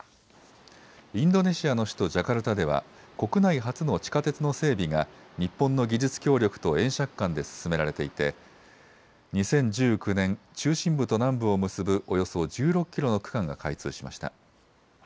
インドネシアの首都ジャカルタでは国内初の地下鉄の整備が日本の技術協力と円借款で進められていて２０１９年、中心部と南部を結ぶおよそ１６キロの区間が開通しました。